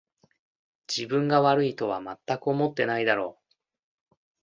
自分が悪いとはまったく思ってないだろう